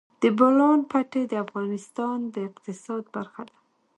د بولان پټي د افغانستان د اقتصاد برخه ده.